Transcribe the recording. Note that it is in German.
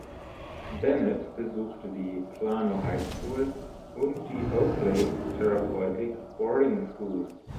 Bennett besuchte die Plano High School und die Oakley Therapeutic Boarding School.